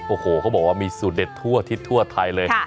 โอ้โหเขาบอกว่ามีสูตรเด็ดทั่วอาทิศทั่วไทยเลย